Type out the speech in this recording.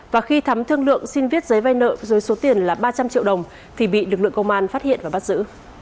và khi thắm thương lượng xin viết giấy vay nợ dưới số tiền là ba trăm linh triệu đồng thì bị lực lượng công an phát hiện và bắt giữ